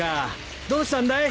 どうしたんだい？